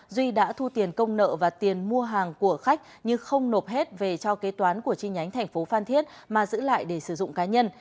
duy đã thu tiền công nợ và tiền mua hàng của khách nhưng không nộp hết về cho kế toán của chi nhánh thành phố phan thiết mà giữ lại để sử dụng cá nhân